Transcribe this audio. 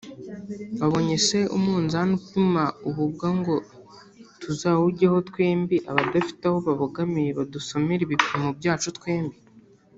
Wabonye se umunzani upima ububwa ngo tuzawujyeho twembi abadafite aho babogamiye badusomere ibipimo byacu twembi